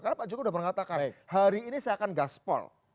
karena pak jokowi sudah mengatakan hari ini saya akan gaspol